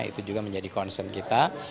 itu juga menjadi concern kita